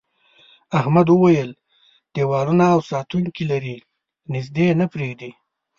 احمد وویل دیوالونه او ساتونکي لري نږدې نه پرېږدي.